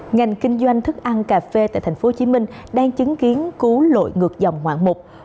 ngành kinh doanh thức ăn cà phê tại tp hcm đang chứng kiến cú lội ngược dòng ngoạn mục